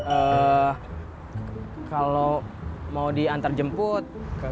eee kalau mau diantar jemput